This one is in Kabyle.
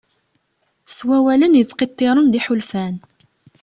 S wawalen yettqiṭṭiren d iḥulfan.